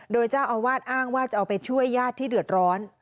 โดยเจ้าอาวาสอ้างว่าจะเอาไปช่วยญาติที่เดือดร้อน